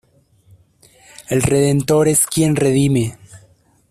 El redentor es quien redime.